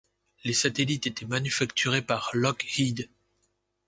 Les satellites étaient manufacturés par Lockheed.